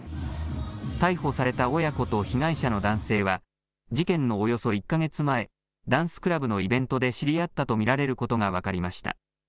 逮捕された親子と被害者の男性は事件のおよそ１か月前、ダンスクラブのイベントで知り合ったと見られることが分かりました。